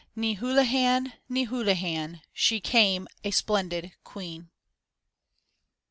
Ni Houlihan, Ni Houlihan, she came a splendid queen.